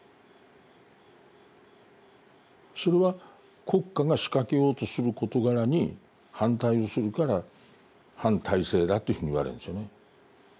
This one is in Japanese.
それは国家が仕掛けようとする事柄に反対をするから反体制だというふうに言われるんですよね。